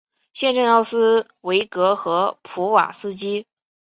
县治奥斯威戈和普瓦斯基。